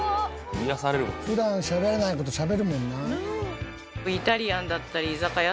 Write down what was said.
普段しゃべれない事しゃべるもんな。